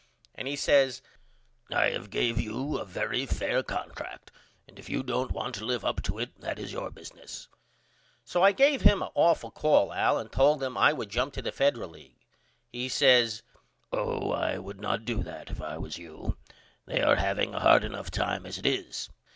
And he says I have gave you a very fare contract and if you don't want to live up to it that is your business. So I give him a awful call Al and told him I would jump to the Federal League. He says Oh, I would not do that if I was you. They are having a hard enough time as it is.